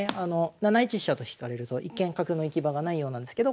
７一飛車と引かれると一見角の行き場がないようなんですけど